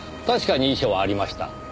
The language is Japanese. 確かに遺書はありました。